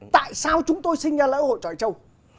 tại sao chúng tôi sinh ra lễ hội trọi trâu